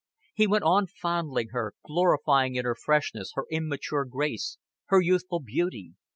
He went on fondling her, glorying in her freshness, her immature grace, her youthful beauty.